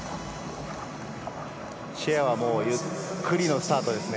シェアはゆっくりのスタートですね。